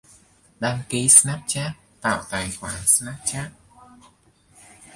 Đăng ký Snapchat, tạo tài khoản Snapchat